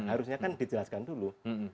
harusnya kan dijelaskan dulu